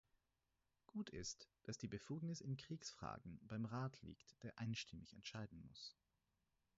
Gut ist, dass die Befugnis in Kriegsfragen beim Rat liegt, der einstimmig entscheiden muss.